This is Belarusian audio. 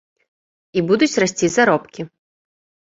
І будуць расці заробкі.